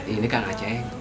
ini kang aceh